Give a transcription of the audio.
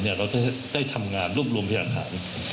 เราได้ทำงานรูปรวมพยาดักฐาน